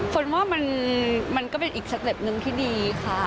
ฝนว่ามันก็เป็นอีกสเต็ปหนึ่งที่ดีค่ะ